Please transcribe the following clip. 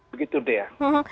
begitu deh ya